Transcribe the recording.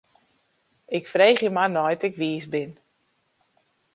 Ik freegje mar nei't ik wiis bin.